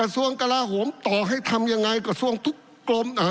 ส่วนกาลาโขมต่อให้ทำยังไงก็ท่องทุกโกรมอ่า